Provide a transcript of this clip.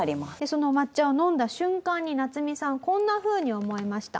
そのお抹茶を飲んだ瞬間にナツミさんこんなふうに思いました。